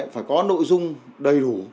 phải có nội dung đầy đủ